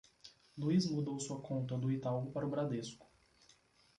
Luiz mudou sua conta do Itaú para o Bradesco.